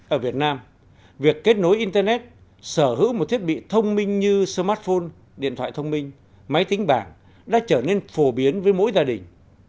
ở việt nam việc kết nối internet sở hữu một thiết bị thông minh như smartphone điện thoại thông minh máy tính bảng đã trở nên phổ biến với mỗi gia đình